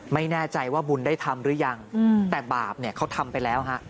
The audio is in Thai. ไม่แน่ใจว่าบุญได้ทำหรือยังแต่บาปเนี่ยเขาทำไปแล้วฮะ